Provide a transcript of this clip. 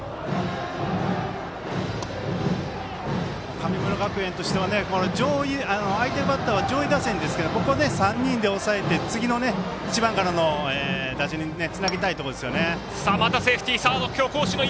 神村学園としては相手バッターは上位打線ですけどここで３人で抑えて次の１番からの打順につなげたいところですよね。